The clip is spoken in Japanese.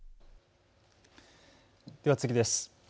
では次です。